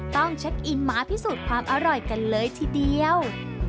ต้องเช็คอินมาพิสูจน์ความอร่อยกันเลยทีเดียว